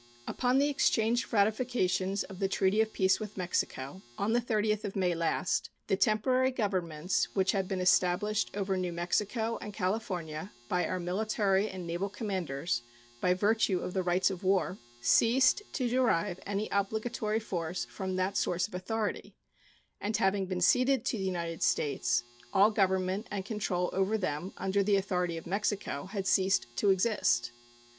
Upon the exchange of ratifications of the treaty of peace with Mexico, on the 30th of May last, the temporary governments which had been established over New Mexico and California by our military and naval commanders by virtue of the rights of war ceased to derive any obligatory force from that source of authority, and having been ceded to the United States, all government and control over them under the authority of Mexico had ceased to exist.